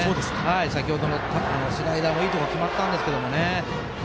先ほどのスライダーもいいところ決まったんですけどね。